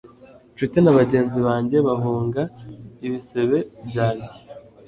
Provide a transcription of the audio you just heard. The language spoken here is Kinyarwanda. incuti na bagenzi banjye bahunga ibisebe byanjye